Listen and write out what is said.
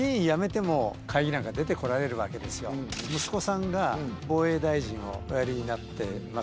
息子さんが防衛大臣をおやりになっていますね。